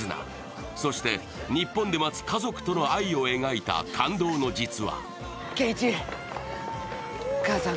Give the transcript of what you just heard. そして日本で待つ家族との愛を描いた感動の実話。